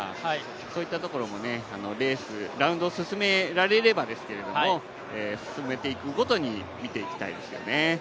そういったところもレース、ラウンド進められればですけど進めていくごとに見ていきたいですよね。